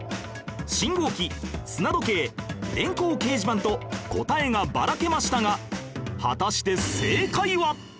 信号機砂時計電光掲示板と答えがバラけましたが果たして正解は？